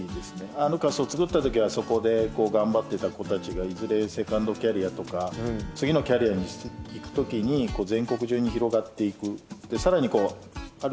アルカスをつくった時はそこで頑張ってた子たちがいずれセカンドキャリアとか次のキャリアに行く時に全国中に広がっていく。